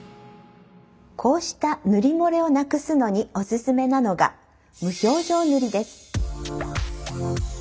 こうした塗り漏れをなくすのにおすすめなのが無表情塗りです。